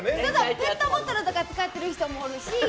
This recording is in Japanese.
ペットボトルとか使ってる人もおるし。